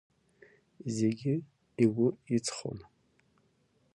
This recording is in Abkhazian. Зегьы игәы иҵхон.